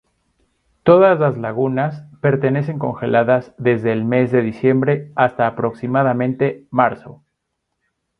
Todas las lagunas permanecen congeladas desde el mes de diciembre hasta aproximadamente marzo.